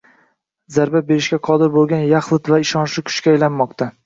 zarba berishga qodir bo‘lgan yaxlit va ishonchli kuchga aylanmoqda.